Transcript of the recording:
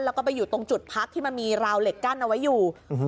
แล้วก็ไปอยู่ตรงจุดพักที่มันมีราวเหล็กกั้นเอาไว้อยู่